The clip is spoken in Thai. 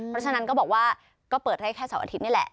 เพราะฉะนั้นก็บอกว่าก็เปิดให้แค่เสาร์อาทิตย์นี่แหละ